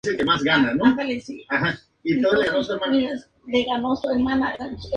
Esta ave construye su nido entre los arbustos, escondido entre densas masas de follaje.